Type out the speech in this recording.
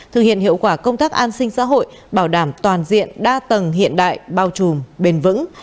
thực hiện hiệu quả công tác an sinh xã hội bảo đảm toàn diện đa tầng hiện đại bao trùm bền vững